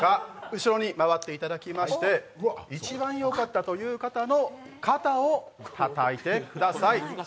後ろに回っていただきまして一番良かったという方の、肩をたたいてください。